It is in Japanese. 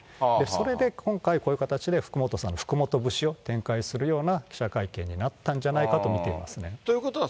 それで今回、こういう形で福本さんが福本節を展開するような記者会見になったということは、